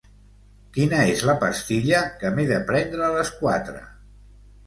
Quina és la pastilla que m'he de prendre a les quatre?